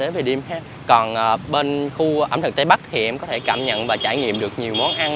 đến bìa điêm còn bên khu ẩm thực tây bắc thì em có thể cảm nhận và trải nghiệm được nhiều món ăn